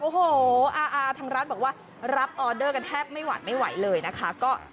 โอ้โหทางร้านบอกว่ารับออเดอร์กันแทบไม่หวัดไม่ไหวเลยนะคะ